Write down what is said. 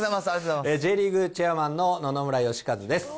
Ｊリーグチェアマンの野々村芳和です。